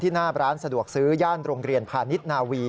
หน้าร้านสะดวกซื้อย่านโรงเรียนพาณิชย์นาวี